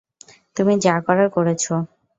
তুমি যা করার করেছ।